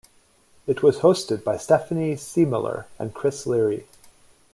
It was hosted by Stephanie Siemiller and Chris Leary.